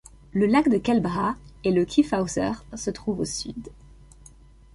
Le lac de Kelbra et le Kyffhäuser se trouvent au sud.